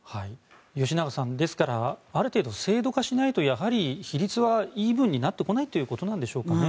吉永さん、ですからある程度制度化しないとやはり比率はイーブンになってこないということなんでしょうかね。